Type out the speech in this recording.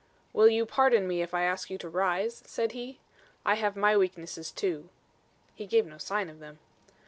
"Will you pardon me if I ask you to rise?" said he. "I have my weaknesses too." (He gave no sign of them.)